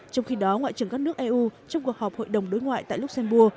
trong khi đó ngoại trưởng các nước eu trong cuộc họp hội đồng đối ngoại tại luxembourg